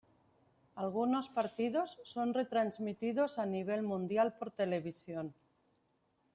Algunos partidos son retransmitidos a nivel mundial por televisión.